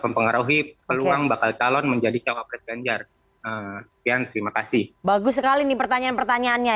mbak kalon menjadi cawapres ganjar sekian terima kasih bagus sekali nih pertanyaan pertanyaannya